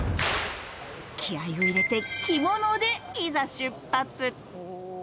気合いを入れて着物でいざ出発。